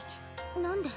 何で？